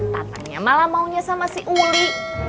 tatangnya malah maunya sama si uli